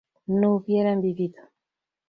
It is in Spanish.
no hubieran vivido